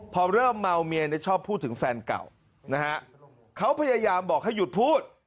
พอเริ่มเมาเมียเนี่ยชอบพูดถึงแฟนเก่านะฮะเขาพยายามบอกให้หยุดพูด